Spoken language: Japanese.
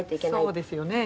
そうですよね。